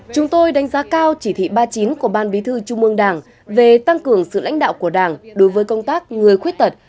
chúng tôi đánh giá cao chỉ thị ba mươi chín của ban bí thư trung ương đảng về tăng cường sự lãnh đạo của đảng đối với công tác người khuyết tật